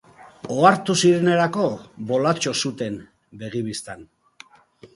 Ohartu zirenerako, Bolatxo zuten begi bistan.